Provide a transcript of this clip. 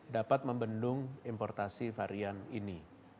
dapat membendung importasi varian ini